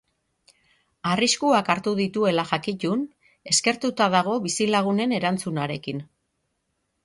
Arriskuak hartu dituela jakitun, eskertuta dago bizilagunen erantzunarekin.